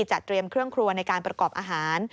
จะเตรียมเครื่องครัวในการประกอบอาหาร